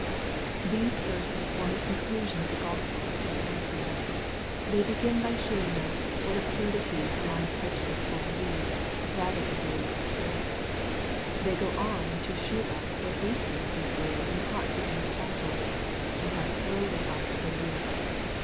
These verses form the conclusion of the Gospel of St. Matthew. They begin by shewing us what absurdities blind prejudice will believe, rather than believe the truth. They go on to shew us what weakness there is in the hearts of some disciples, and how slow they are to believe.